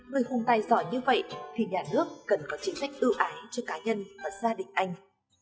người hùng tài giỏi như vậy thì nhà nước cần có chính sách ưu ái cho cá nhân và gia đình anh